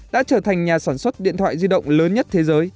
đã trở thành nhà sản xuất điện thoại di động lớn nhất thế giới